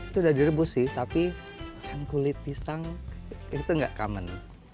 itu sudah direbus sih tapi kulit pisang itu tidak common